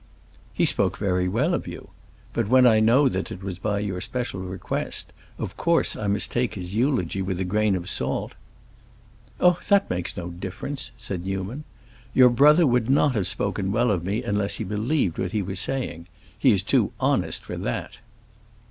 "He spoke very well of you. But when I know that it was by your special request, of course I must take his eulogy with a grain of salt." "Oh, that makes no difference," said Newman. "Your brother would not have spoken well of me unless he believed what he was saying. He is too honest for that."